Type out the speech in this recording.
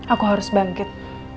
aku harus bangkit